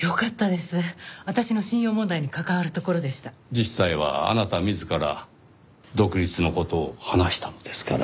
実際はあなた自ら独立の事を話したのですから。